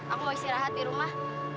aku istirahat di rumah